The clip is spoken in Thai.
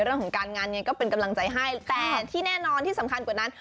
เรื่องของการงานยังไงก็เป็นกำลังใจให้แต่ที่แน่นอนที่สำคัญกว่านั้น